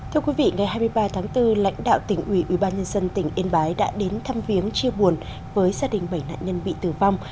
thưa quý vị ngày hai mươi ba tháng bốn lãnh đạo tỉnh ủy ubnd tỉnh yên bái đã đến thăm viếng chia buồn với gia đình bảy nạn nhân bị tử vong